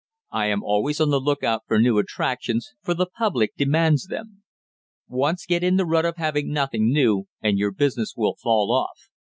I am always on the lookout for new attractions, for the public demands them. Once get in the rut of having nothing new, and your business will fall off.